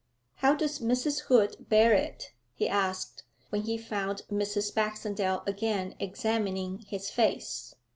'How does Mrs. Hood bear it?' he asked, when he found Mrs. Baxendale again examining his face.